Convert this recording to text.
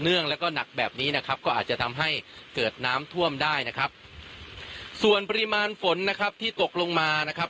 งแล้วก็หนักแบบนี้นะครับก็อาจจะทำให้เกิดน้ำท่วมได้นะครับส่วนปริมาณฝนนะครับที่ตกลงมานะครับ